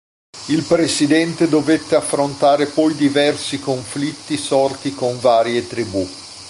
Il presidente dovette affrontare poi diversi conflitti sorti con varie tribù.